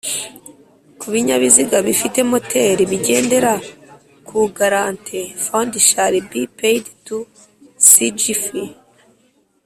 ku binyabiziga bifite moteri bigendera ku guarantee fund shall be paid to sgf